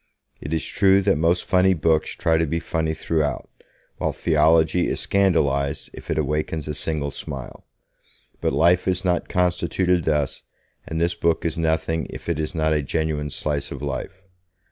It is true that most funny books try to be funny throughout, while theology is scandalized if it awakens a single smile. But life is not constituted thus, and this book is nothing if it is not a genuine slice of life.